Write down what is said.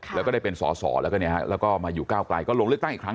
แล้วก็ได้เป็นสสแล้วก็มาอยู่ก้าวกลายก็ลงเลือกตั้งอีกครั้ง